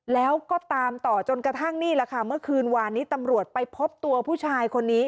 แล้วก็ตามต่อจนกระทั่งนี่แหละค่ะเมื่อคืนวานนี้ตำรวจไปพบตัวผู้ชายคนนี้